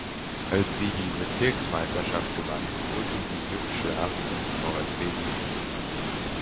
Als sie die Bezirksmeisterschaft gewann holte sie Jupp Schlaf zum VfB Lübeck.